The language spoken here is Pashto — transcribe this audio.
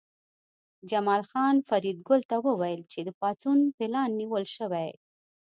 جمال خان فریدګل ته وویل چې د پاڅون پلان نیول شوی